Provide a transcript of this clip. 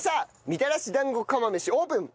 みたらし団子釜飯オープン。